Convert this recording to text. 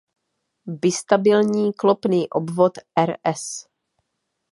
Bistabilní klopný obvod er-es